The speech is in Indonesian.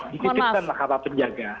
dititikkanlah kata penjaga